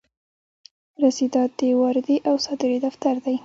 رسیدات د واردې او صادرې دفتر دی.